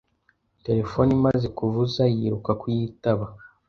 Terefone imaze kuvuza, yiruka kuyitaba.